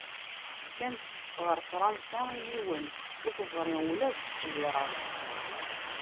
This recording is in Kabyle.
Fkan-tt ɣer Fransa i yiwen, ur teẓri ula d tteṣwira-s.